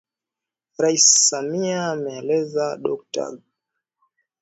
Rais Samia amemueleza Dokta Ghanem kuwa kwa sasa Serikali inapitia sera zake za kodi